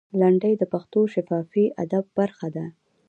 لنډۍ د پښتو شفاهي ادب برخه ده.